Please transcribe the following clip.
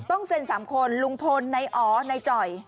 ต้องเซ็น๓คนลุงพลในอ๋อในจ่อย